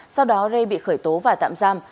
sau đó rê bị khởi tố và tạm giam